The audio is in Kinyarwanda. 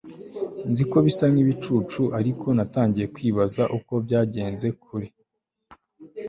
nzi ko bisa nkibicucu, ariko natangiye kwibaza uko byagenze kuri